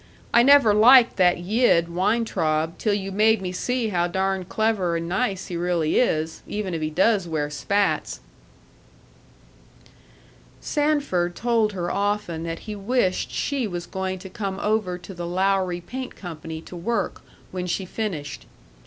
I never liked that Yid Weintraub till you made me see how darn clever and nice he really is, even if he does wear spats." Sanford told her often that he wished she was going to come over to the Lowry Paint Company to work, when she finished.